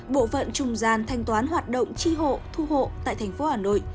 bộ phận trung gian thanh toán hoạt động tri hộ thu hộ tại tp hcm